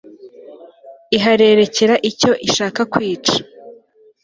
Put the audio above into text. iharerekera icyo ishaka kwica